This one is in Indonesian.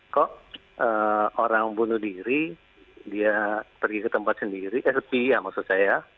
kok orang bunuh diri dia pergi ke tempat sendiri eh setia maksud saya